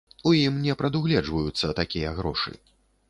У ім не прадугледжваюцца такія грошы.